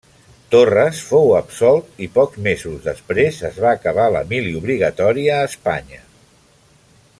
Torres fou absolt i pocs mesos després es va acabar la mili obligatòria a Espanya.